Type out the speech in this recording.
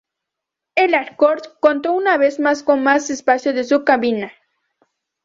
El Accord contó una vez más con más espacio en su cabina.